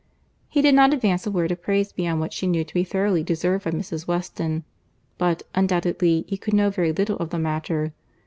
He did not advance a word of praise beyond what she knew to be thoroughly deserved by Mrs. Weston; but, undoubtedly he could know very little of the matter.